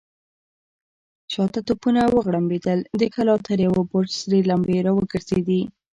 شاته توپونه وغړمبېدل، د کلا تر يوه برج سرې لمبې را وګرځېدې.